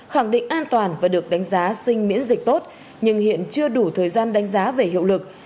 khẳng định an toàn và được đánh giá sinh miễn dịch tốt nhưng hiện chưa đủ thời gian đánh giá về hiệu lực